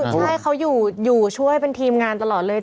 ใช่เขาอยู่ช่วยเป็นทีมงานตลอดเลย